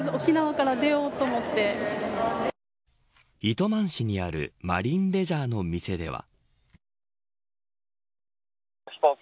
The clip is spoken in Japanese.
糸満市にあるマリンレジャーの店では。